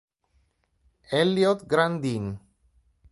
Elliot Grandin